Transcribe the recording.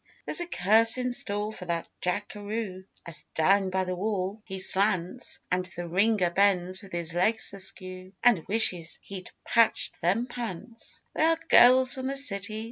There's a curse in store for that jackaroo As down by the wall he slants And the ringer bends with his legs askew And wishes he'd 'patched them pants.' They are girls from the city.